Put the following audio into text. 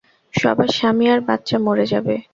সবার স্বামী আর বাচ্চা মরে যাবে।